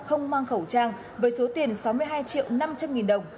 không mang khẩu trang với số tiền sáu mươi hai triệu năm trăm linh nghìn đồng